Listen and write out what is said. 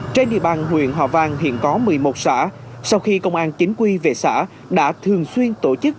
trên địa bàn huyện hòa vang hiện có một mươi một xã sau khi công an chính quy về xã đã thường xuyên tổ chức